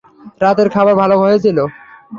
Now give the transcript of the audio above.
রাতের খাবার ভালো হয়েছিল?